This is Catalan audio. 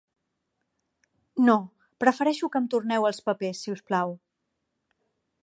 No, prefereixo que em torneu els papers, si us plau.